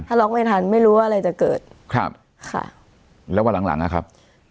ล็อกไม่ทันไม่รู้ว่าอะไรจะเกิดครับค่ะแล้ววันหลังหลังอ่ะครับ